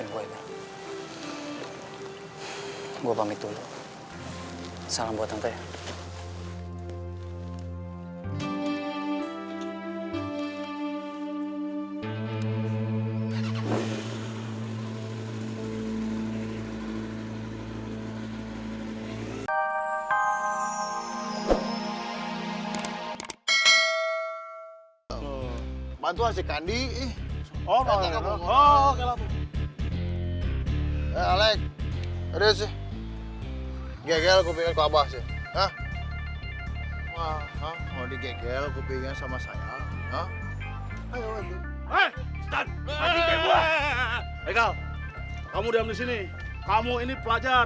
tidak boleh berantem tugas kamu belajar